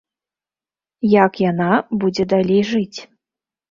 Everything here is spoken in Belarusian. Як яна будзе далей жыць?